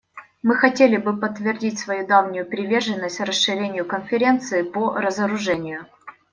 Мы хотели бы подтвердить свою давнюю приверженность расширению Конференции по разоружению.